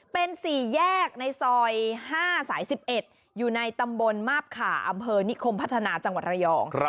เป็น๔แยกในซอย๕สาย๑๑อยู่ในตำบลมาบขาอำเภอนิคมพัฒนาจังหวัดระยอง